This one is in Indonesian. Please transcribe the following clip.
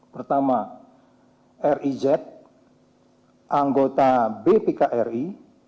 pertama riz anggota bpk ri